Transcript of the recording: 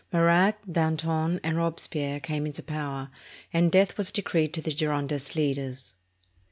Marat, Danton, and Robespierre came into power, and death was decreed to the Girondist leaders.